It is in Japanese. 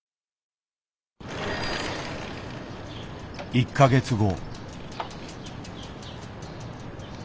１か月後。